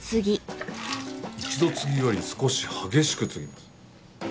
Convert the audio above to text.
一度つぎより少し激しくつぎます。